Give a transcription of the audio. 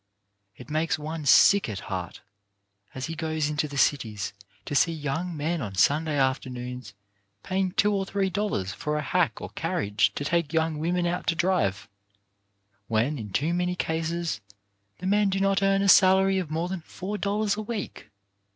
It makes one sick at heart, as he goes into the cities, to see young men on Sunday afternoons paying two or three 274 CHARACTER BUILDING dollars for a hack or carriage to take young women out to drive, when in too many cases the men do not earn a salary of more than four dollars a week.